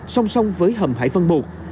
song song với hầm hải vân i